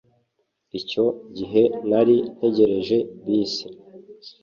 Icyo gihe nari ntegereje bisi.